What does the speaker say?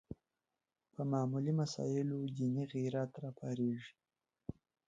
په معمولي مسایلو دیني غیرت راپارېږي